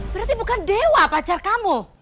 berarti bukan dewa pacar kamu